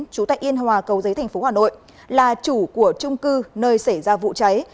chủ tạch yên hòa cầu giấy tp hà nội là chủ của trung cư nơi xảy ra vụ cháy